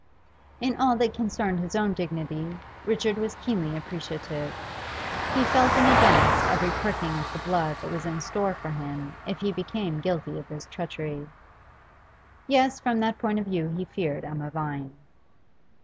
In all that concerned his own dignity Richard was keenly appreciative; he felt in advance every pricking of the blood that was in store for him if he became guilty of this treachery. Yes, from that point of view he feared Emma Vine.